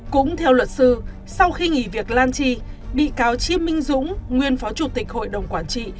cũng theo luật sư sau khi nghỉ việc lan tri bị cáo chiêm minh dũng nguyên phó chủ tịch hội đồng quản trị